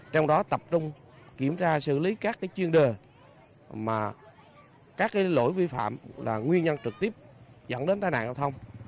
trong đó tập trung kiểm soát xử lý các chuyên đề các lỗi vi phạm là nguyên nhân trực tiếp dẫn đến tài nạn giao thông